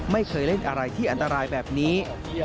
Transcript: ไม่เคยเล่นอะไรที่อันตรายแบบนี้